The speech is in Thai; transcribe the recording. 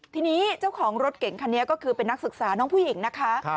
ทีนี้เจ้าของรถเก่งคันนี้ก็คือเป็นนักศึกษาน้องผู้หญิงนะคะ